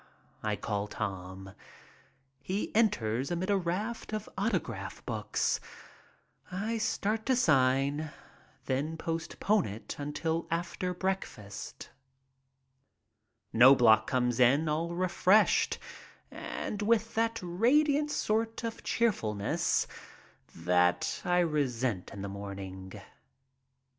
I call Tom. He enters amid a raft of autograph books. I start to sign, then postpone it until after breakfast. Knobloch comes in all refreshed and with that radiant sort of cheerfulness that I resent in the morning.